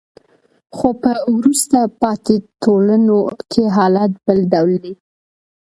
خو په وروسته پاتې ټولنو کې حالت بل ډول دی.